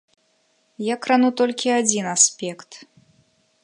Я крану толькі адзін аспект.